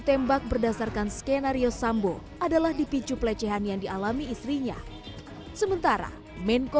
tembak berdasarkan skenario sambo adalah dipicu pelecehan yang dialami istrinya sementara menko